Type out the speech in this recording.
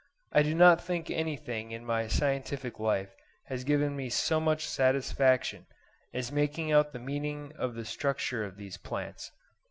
I do not think anything in my scientific life has given me so much satisfaction as making out the meaning of the structure of these plants.